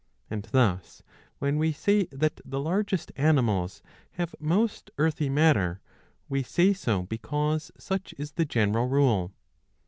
'^ And thus when we say that the largest animals have most earthy matter, we say so because such is the general rule.